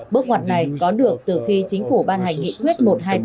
bước ngoặt này có được từ khi chính phủ ban hành nghị quyết một trăm hai mươi tám